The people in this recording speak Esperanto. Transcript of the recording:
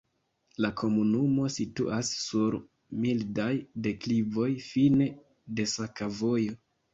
La komunumo situas sur mildaj deklivoj, fine de sakovojo.